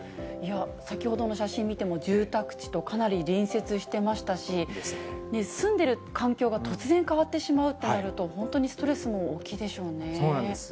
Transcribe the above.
先ほどの写真見ても、住宅地とかなり隣接してましたし、住んでる環境が、突然変わってしまうとなると、本当にストレスも大きいでしょうそうなんです。